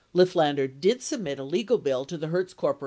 Lifflander did submit a legal bill to the Hertz Corp.